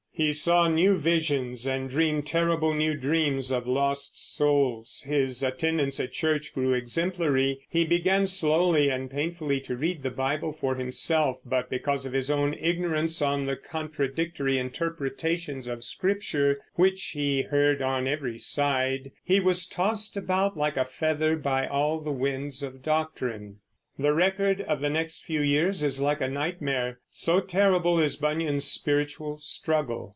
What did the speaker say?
He saw new visions and dreamed terrible new dreams of lost souls; his attendance at church grew exemplary; he began slowly and painfully to read the Bible for himself, but because of his own ignorance and the contradictory interpretations of Scripture which he heard on every side, he was tossed about like a feather by all the winds of doctrine. The record of the next few years is like a nightmare, so terrible is Bunyan's spiritual struggle.